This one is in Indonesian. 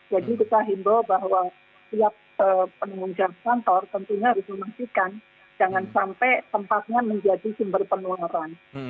jadi kita himbaw bahwa setiap penunggang kantor tentunya harus memastikan jangan sampai tempatnya menjadi sumber penularan